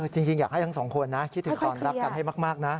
จริงอยากให้ทั้งสองคนนะคิดถึงตอนรักกันให้มากนะ